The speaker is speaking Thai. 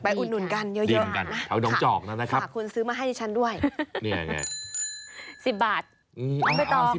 ไปอุ่นกันเยอะนะครับค่ะฝากคุณซื้อมาให้ฉันด้วยเนี่ยอย่างไร